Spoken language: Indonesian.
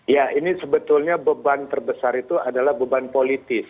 ya ini sebetulnya beban terbesar itu adalah beban politis